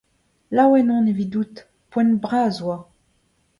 Laouen on evidout, poent bras e oa